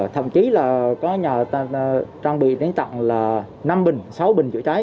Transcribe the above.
thậm chí là có nhà trang bị đến tặng là năm bình sáu bình